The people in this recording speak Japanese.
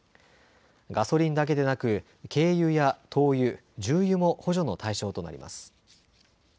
ガソリンだけでなく、軽油や灯油、重油も補助の対象となります。